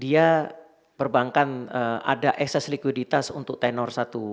di akhir hari dia perbankan ada excess liquiditas untuk tenor satu